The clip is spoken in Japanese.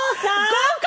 合格！